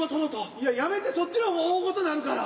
いややめてそっちの方が大ごとになるから。